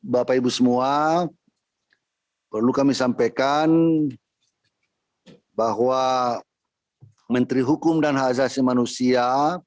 bapak ibu semua perlu kami sampaikan bahwa menteri hukum dan hak asasi manusia